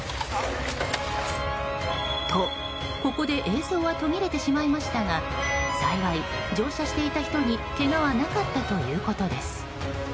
と、ここで映像は途切れてしまいましたが幸い、乗車していた人にけがはなかったということです。